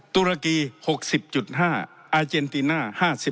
ตุรกี๖๐๕อาเจนติน่า๕๑